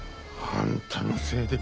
あんたのせいで。